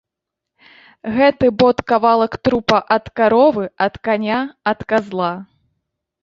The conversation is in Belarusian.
Гэты бот кавалак трупа ад каровы, ад каня, ад казла!